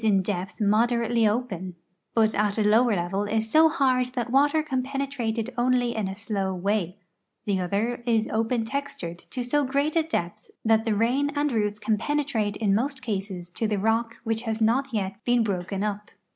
The one is for a few inches in depth moderately open, but at a lower level is so hard that water can penetrate it only in a slow way ; the other is open textured to so great a depth that the rain and roots can penetrate in most cases to the rock which has not yet been broken up.